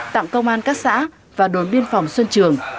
tặng công an các xã và đốn điên phòng xuân trường